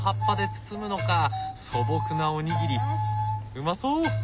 うまそう！